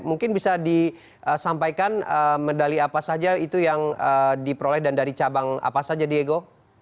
mungkin bisa disampaikan medali apa saja itu yang diperoleh dan dari cabang apa saja diego